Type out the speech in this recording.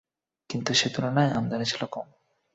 কিন্তু সে তুলনায় আমদানী ছিল কম।